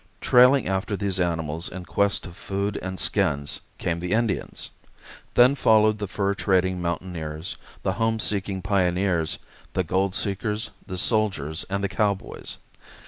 Trailing after these animals in quest of food and skins, came the Indians. Then followed the fur trading mountaineers, the home seeking pioneers, the gold seekers, the soldiers, and the cowboys.